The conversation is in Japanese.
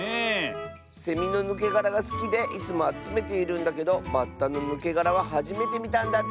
セミのぬけがらがすきでいつもあつめているんだけどバッタのぬけがらははじめてみたんだって。